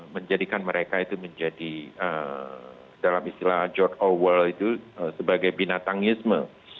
menjadikan mereka itu menjadi dalam istilah george our itu sebagai binatangisme